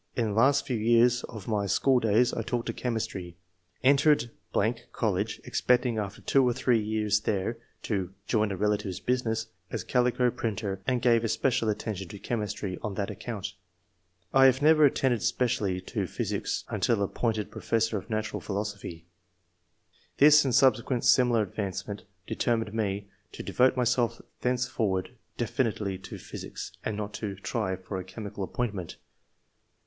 In the last few years of my schooldays I took to chemistry. Entered .... college, expecting, after two or three years there, to [join a relative's] business as calico printer, and gave especial attention to chemistry on that account I had never attended specially to physics until appointed professor of natural philosophy [This and subsequent similar advancement] determined me to devote myself thenceforward definitely to physics, and not to try for a chemical appointment